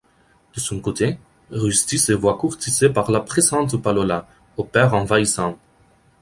De son côté, Rusty se voit courtisé par la pressante Palola, au père envahissant.